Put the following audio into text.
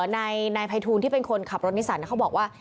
นายภัยทูลที่เป็นคนขับรถนิสันเขาบอกว่า